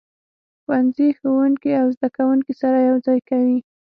ښوونځی ښوونکي او زده کوونکي سره یو ځای کوي.